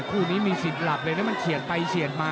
คู่นี้มีสิทธิ์หลับเลยนะมันเฉียดไปเฉียดมา